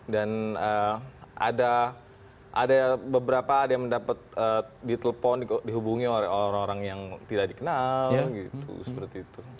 dan ada beberapa yang mendapat di telepon dihubungi oleh orang orang yang tidak dikenal gitu